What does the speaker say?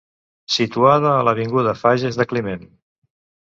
Situada a l'Avinguda Fages de Climent.